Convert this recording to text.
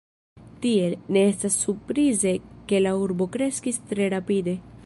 Tiel, ne estas surprize ke la urbo kreskis tre rapide.